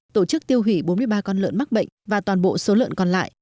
tổ chức tiêu hủy bốn mươi ba con lợn mắc bệnh và toàn bộ số lợn còn lại